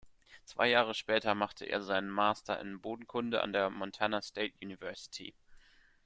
Zwei Jahre später machte er seinen Master in Bodenkunde an der Montana State University.